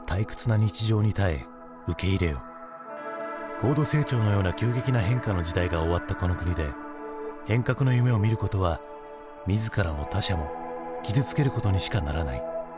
高度成長のような急激な変化の時代が終わったこの国で変革の夢をみることは自らも他者も傷つけることにしかならない。